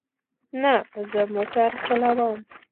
نه، زه موټر چلوم